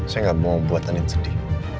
saya gak mau buat andin sedih